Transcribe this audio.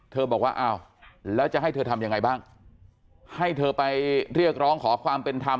บอกว่าอ้าวแล้วจะให้เธอทำยังไงบ้างให้เธอไปเรียกร้องขอความเป็นธรรม